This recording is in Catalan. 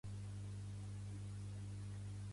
La petita localitat de Manapouri està a la riba oriental.